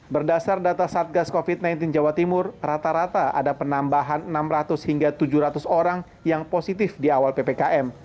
berdasar data satgas covid sembilan belas jawa timur rata rata ada penambahan enam ratus hingga tujuh ratus orang yang positif di awal ppkm